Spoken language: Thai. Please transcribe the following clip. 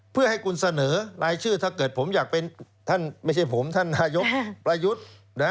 เพื่อให้คุณเสนอรายชื่อถ้าเกิดผมอยากเป็นท่านไม่ใช่ผมท่านนายกประยุทธ์